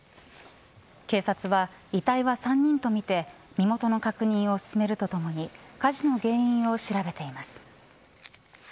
警察は遺体は３人と見て身元の確認を進めるとともに火事の原因を調べています。